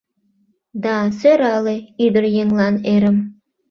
Да сӧрале ӱдыръеҥлан эрым